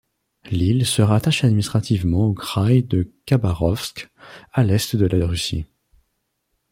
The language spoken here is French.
L'île se rattache administrativement au kraï de Khabarovsk, à l'est de la Russie.